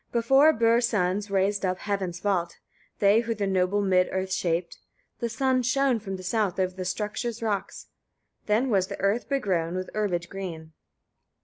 4. Before Bur's sons raised up heaven's vault, they who the noble mid earth shaped. The sun shone from the south over the structure's rocks: then was the earth begrown with herbage green.